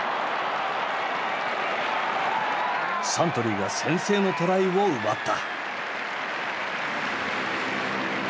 サントリーが先制のトライを奪った。